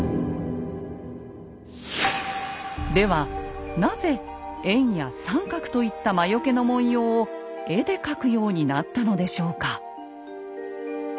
ではなぜ円や三角といった魔よけの文様を絵で描くようになったのでしょうか？